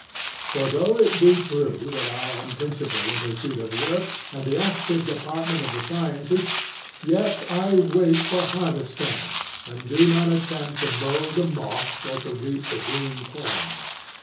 For though it be true that I am principally in pursuit of works and the active department of the sciences, yet I wait for harvest time, and do not attempt to mow the moss or to reap the green corn.